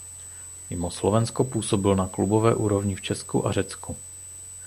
Mimo Slovensko působil na klubové úrovni v Česku a Řecku.